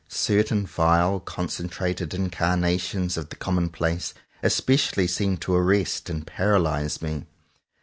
Certain vile concentrated incarna tions of the commonplace especially seem to arrest and paralyze me.